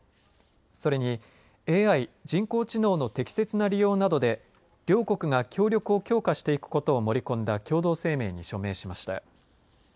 それにＡＩ、人工知能の適切な利用などで両国が協力を強化していくことを盛り込んだ共同声明に署名しました。